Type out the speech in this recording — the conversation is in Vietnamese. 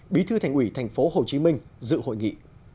bí thư thành ủy tp hcm dự hội nghị